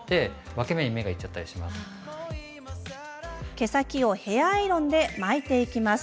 毛先をヘアアイロンで巻いていきます。